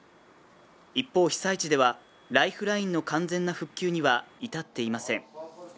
一方、被災地ではライフラインの完全な復旧には至っていません。